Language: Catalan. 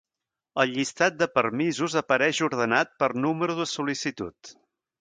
El llistat de permisos apareix ordenat per número de sol·licitud.